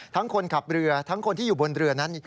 คนขับเรือทั้งคนที่อยู่บนเรือนั้น